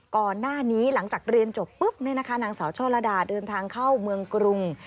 ก่อนหน้านี้หลังจากเรียนจบปุ๊บนางสาวช่อระดาเดินทางเข้าเมืองกรุง